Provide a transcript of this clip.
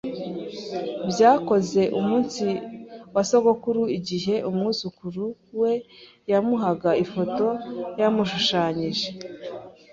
Byakoze umunsi wa sogokuru igihe umwuzukuru we yamuhaga ifoto yamushushanyije.